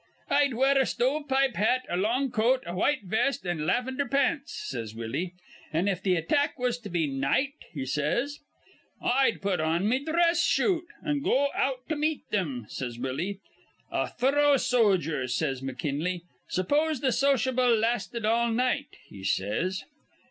'I'd wear a stovepipe hat, a long coat, a white vest, an' lavender pants,' says Willie. 'An' if th' attack was be night?' he says. 'I'd put on me dhress shoot, an' go out to meet thim,' says Willie. 'A thuro sojer,' says McKinley. 'Suppose th' sociable lasted all night?' he says.